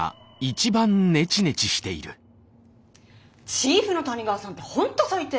チーフの谷川さんって本当最低。